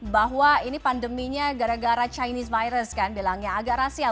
bahwa ini pandeminya gara gara chinese virus kan bilangnya agak rasial